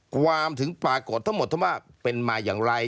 ความถึงปรากฏทั้งหมดว่าเป็นมาอย่างไร